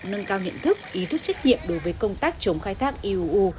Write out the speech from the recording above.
nâng cao nhận thức ý thức trách nhiệm đối với công tác chống khai thác iuu